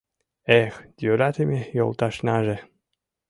Эх, йӧратыме йолташнаже